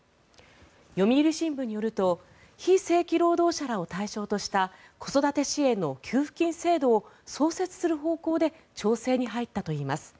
読売新聞によると非正規労働者らを対象にした子育て支援の給付金制度を創設する方向で調整に入ったといいます。